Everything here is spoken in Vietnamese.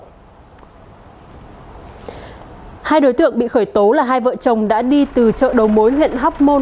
hai đối tượng bị khởi tố là hai vợ chồng đã đi từ chợ đầu mối huyện hóc môn